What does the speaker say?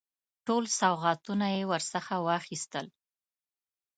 ټول سوغاتونه یې ورڅخه واخیستل.